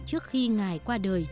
trước khi ngài qua đời trên cây thập ác